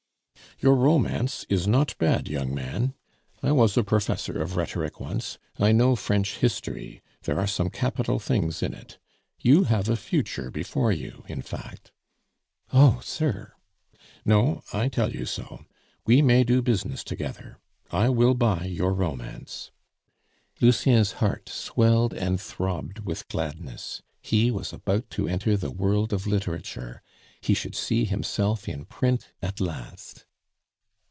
"Your romance is not bad, young man. I was a professor of rhetoric once; I know French history, there are some capital things in it. You have a future before you, in fact." "Oh! sir." "No; I tell you so. We may do business together. I will buy your romance." Lucien's heart swelled and throbbed with gladness. He was about to enter the world of literature; he should see himself in print at last.